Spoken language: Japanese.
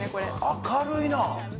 明るいな。